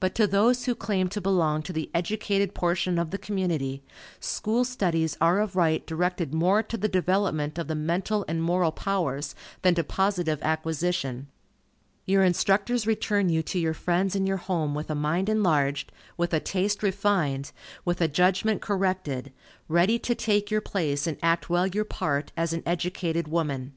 But to those who claim to belong to the educated portion of the community, school studies are of right directed more to the development of the mental and moral powers, than to positive acquisition. Your instructors return you to your friends and your home with a mind enlarged, with a taste refined, with a judgment corrected, ready to take your place and act well your part, as an educated woman.